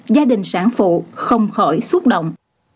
gia đình sản phụ không khỏi xúc động